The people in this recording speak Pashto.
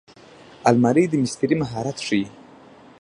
الماري د مستري مهارت ښيي